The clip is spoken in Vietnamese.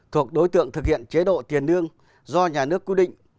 thuộc đối tượng thực hiện chế độ tiền lương do nhà nước quy định